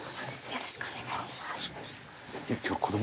よろしくお願いします。